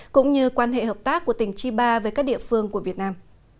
cũng như quan hệ hợp tác của tỉnh chiba với các địa phương của việt nam